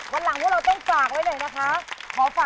วันหลังพวกเราต้องฝากไว้เลยนะคะ